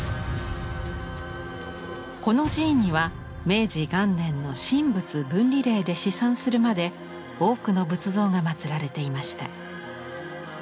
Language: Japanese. この寺院には明治元年の神仏分離令で四散するまで多くの仏像がまつられていました。